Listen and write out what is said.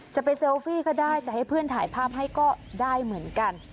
จะไปเซลฟี่ก็ได้จะให้เพื่อนถ่ายภาพให้ก็ได้เหมือนกัน